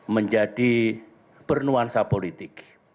menjadi bernuansa politik